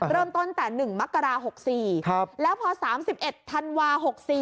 เริ่มต้นแต่๑มกรา๖๔แล้วพอ๓๑ธันวา๖๔